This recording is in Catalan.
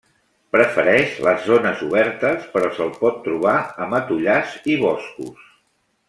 Prefereix les zones obertes, però se'l pot trobar a matollars i boscos.